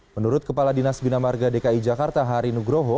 menurut kepala dinas binamarga dki jakarta hari nugroho